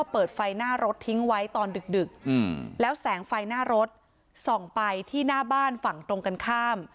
เปิดไฟหน้ารถทิ้งไว้ตอนดึกแล้วแสงไฟหน้ารถส่องไปที่หน้าบ้านฝั่งตรงกันข้าม